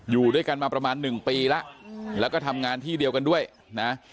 อยู่ด้วยกันมาประมาณหนึ่งปีแล้วแล้วก็ทำงานที่เดียวกันด้วยนะ